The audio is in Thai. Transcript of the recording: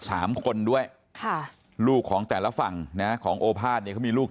สามคนด้วยค่ะลูกของแต่ละฝั่งนะของโอภาษเนี่ยเขามีลูก